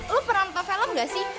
lo pernah nonton film gak sih